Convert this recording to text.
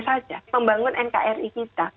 saja membangun nkri kita